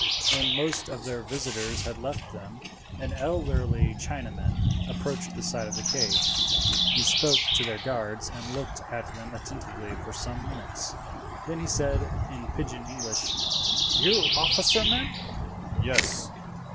When most of their visitors had left them, an elderly Chinaman approached the side of the cage. He spoke to their guards and looked at them attentively for some minutes, then he said in pigeon English, "You officer men?" "Yes!"